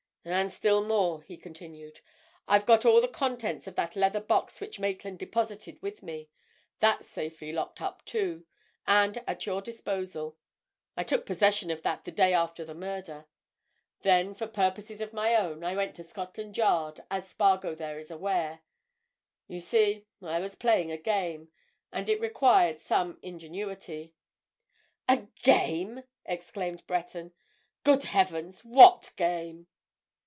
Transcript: "And still more," he continued, "I've got all the contents of that leather box which Maitland deposited with me—that's safely locked up, too, and at your disposal. I took possession of that the day after the murder. Then, for purposes of my own, I went to Scotland Yard, as Spargo there is aware. You see, I was playing a game—and it required some ingenuity." "A game!" exclaimed Breton. "Good heavens—what game?"